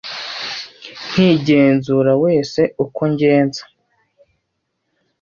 Nkigenzura wese uko ngenza